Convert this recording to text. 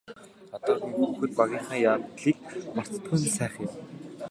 Одоогийн хүүхэд багынхаа явдлыг мартдаггүй нь сайхан юм.